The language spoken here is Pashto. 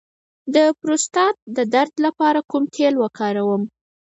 د پروستات د درد لپاره کوم تېل وکاروم؟